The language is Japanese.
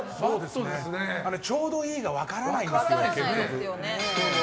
ちょうどいいが分からないんですよ、結局。